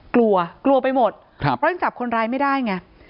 กลัวกลัวไปหมดครับเพราะยังจับคนร้ายไม่ได้ไง